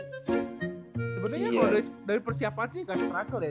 sebenernya kalau dari persiapan sih gak struggle ya